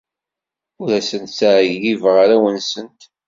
Ur asent-ttɛeyyibeɣ arraw-nsent.